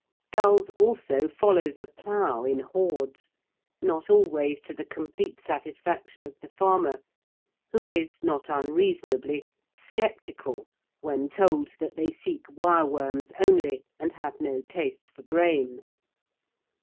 Gulls also follow the plough in hordes, not always to the complete satisfaction of the farmer, who is, not unreasonably, sceptical when told that they seek wireworms only and have no taste for grain.